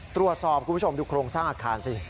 ตัวสอบคุณผู้ชมดูโครงสร้างอักคารสิ